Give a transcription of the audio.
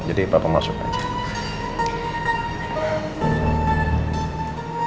jadi papa masuk aja